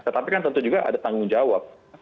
tetapi kan tentu juga ada tanggung jawab